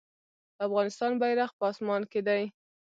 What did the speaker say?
د افغانستان بیرغ په اسمان کې دی